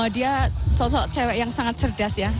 dia sosok cewek yang sangat cerdas ya